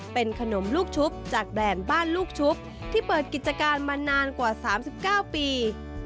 เป็นขนมลูกชุบจากแดนบ้านลูกชุบที่เปิดกิจการมานานกว่า๓๙ปี